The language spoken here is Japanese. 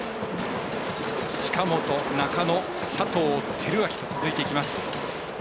近本、中野、佐藤輝明と続いていきます。